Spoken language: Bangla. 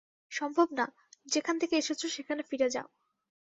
সম্ভব না, যেখান থেকে এসেছো সেখানে ফিরে যাও।